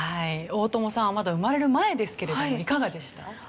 大友さんはまだ生まれる前ですけれどもいかがでした？